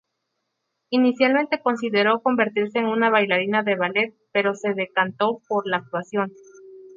Inicialmente consideró convertirse en una bailarina de ballet, pero se decantó por la actuación.